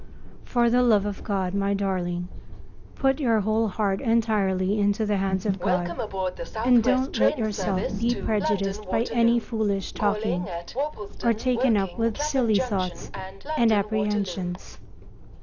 For the love of God, my darling, put your whole heart entirely into the hands of God and don't let yourself be prejudiced by any foolish talking, or taken up with silly thoughts and apprehensions.